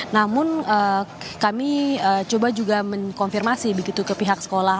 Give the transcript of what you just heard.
namun kami coba juga mengkonfirmasi begitu ke pihak sekolah